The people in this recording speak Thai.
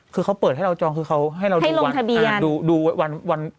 คือเขาเปิดให้เราจองคือเขาให้เราดูวันดูวัน